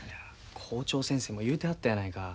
校長先生も言うてはったやないか。